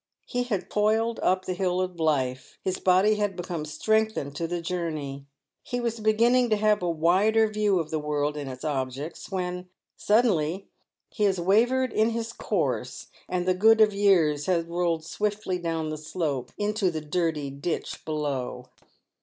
He had toiled up the hill of life ; his body had become strengthened to the journey ; he was beginning to have a wider view of the world and its objects, when suddenly he has wavered in his course, and the good of years has rolled swiftly down the slope into the dirty ditch below.